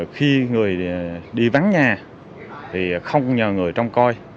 khi người đi vắng nhà thì không nhờ người trong coi